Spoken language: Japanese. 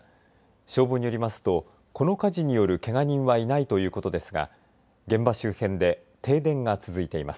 消防によりますとこの火事によるけが人はいないということですが現場周辺で停電が続いています。